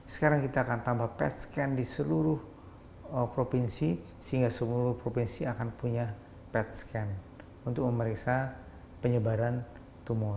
sekarang kita akan tambah pet scan di seluruh provinsi sehingga seluruh provinsi akan punya pet scan untuk memeriksa penyebaran tumor